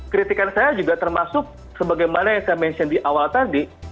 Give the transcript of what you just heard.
kritikan saya juga termasuk sebagaimana yang saya mention di awal tadi